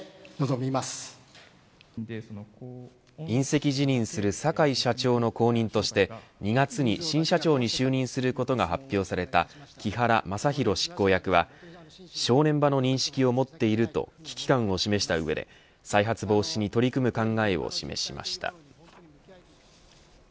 引責辞任する坂井社長の後任として２月に新社長に就任することが発表された木原正裕執行役は正念場の認識を持っていると危機感を示した上で再発防止に取り組む考えを示しました。